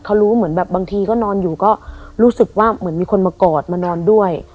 เขารู้เหมือนแบบบางทีก็นอนอยู่ก็รู้สึกว่าเหมือนมีคนมากอดมานอนด้วย